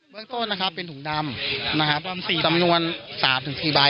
เบิ้ลต้นเป็นถุงดำ๔สำนวน๓๔ใบ